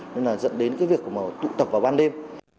nên là dẫn đến cái việc của màu tụ tập vào ban đêm